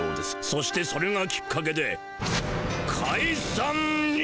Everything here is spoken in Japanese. そしてそれがきっかけでかいさんに！